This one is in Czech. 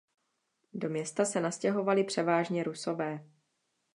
Do města se nastěhovali převážně Rusové.